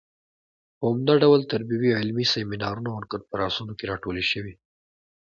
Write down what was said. په عمده ډول تربیوي علمي سیمینارونو او کنفرانسونو کې راټولې شوې.